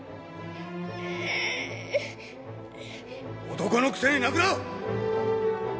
男のくせに泣くな！